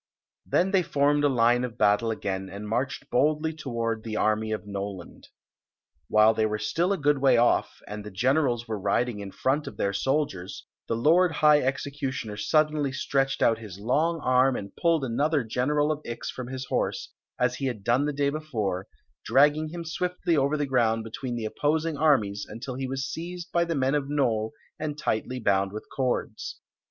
Then they formed in line of batde again and marched boldly toward the army of Noland 176 Queen Zixi of Ix; or, the While they were still a good way off, and the gen erals were riding in front of their soldiers, the lord high executioner suddenly stretched out his long arm and pulled another general of Ix from his horse, as he had done the day before, dragging him swiftly over the ground between the opposing armies until he was seized by the men of Nole and tightly bound with cords.